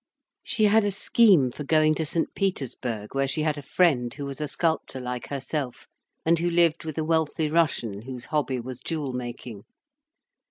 She had a scheme for going to St Petersburg, where she had a friend who was a sculptor like herself, and who lived with a wealthy Russian whose hobby was jewel making.